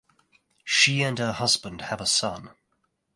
She and her husband have a son.